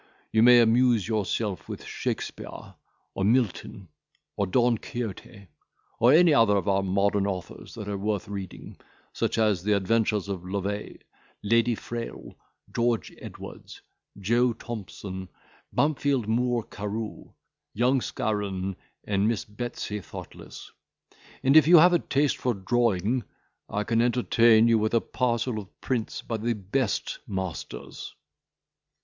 You may amuse yourself with Shakespeare, or Milton, or Don Quixote, or any of our modern authors that are worth reading, such as the Adventures of Loveill, Lady Frail, George Edwards, Joe Thompson, Bampfylde Moore Carew, Young Scarron, and Miss Betsy Thoughtless; and if you have a taste for drawing, I can entertain you with a parcel of prints by the best masters."